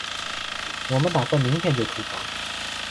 我们打算明天就出发